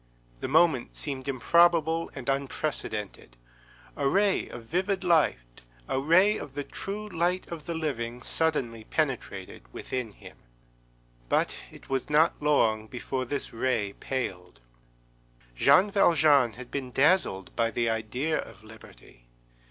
_ the moment seemed improbable and unprecedented; a ray of vivid light, a ray of the true light of the living, suddenly penetrated within him. But it was not long before this ray paled. Jean Valjean had been dazzled by the idea of liberty.